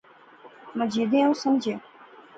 مجیدیں او سمجھایا